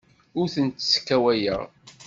Ur tent-sskawayeɣ.